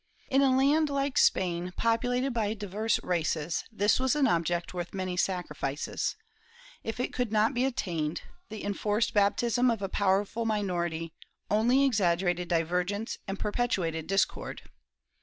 In a land like Spain, populated by diverse races, this was an object worth many sacrifices; if it could not be attained, the enforced baptism of a powerful minority only exaggerated divergence and perpetuated discord.